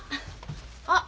あっ。